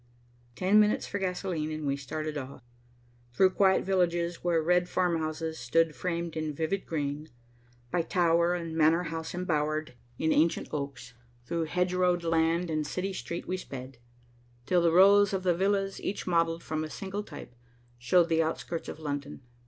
Ten minutes for gasolene, and we started off. Through quiet villages where red farmhouses stood framed in vivid green, by tower and manor house embowered in ancient oaks, through hedge rowed land and city street we sped, till the rows of villas, each modelled from a single type, showed the outskirts of London.